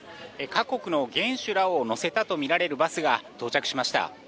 各国の元首らを乗せたとみられるバスが到着しました。